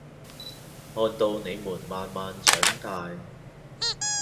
看到你們慢慢長大